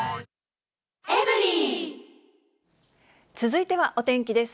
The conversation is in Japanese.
続いてはお天気です。